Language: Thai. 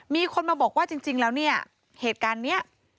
มีคนมาบอกว่าจริงแล้วเนี่ยเหตุการณ์นี้